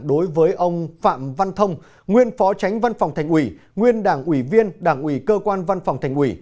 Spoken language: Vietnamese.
đối với ông phạm văn thông nguyên phó tránh văn phòng thành ủy nguyên đảng ủy viên đảng ủy cơ quan văn phòng thành ủy